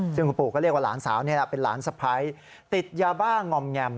คุณปู่ก็เรียกว่าหลานสาวเป็นหลานสะพัยติดยาบ้างอมแง่ม